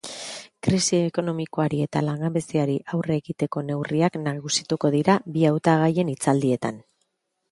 Krisi ekonomikoari eta langabeziari aurre egiteko neurriak nagusituko dira bi hautagaien hitzaldietan.